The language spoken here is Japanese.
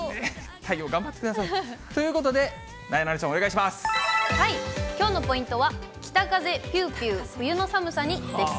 太陽頑張ってください。ということで、なえなのちゃん、きょうのポイントは、北風ぴゅーぴゅー冬の寒さにです。